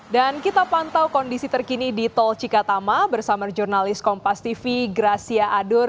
dan kita pantau kondisi terkini di tol cikatama bersama jurnalis kompas tv gracia adur